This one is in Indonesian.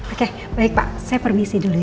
oke baik pak saya permisi dulu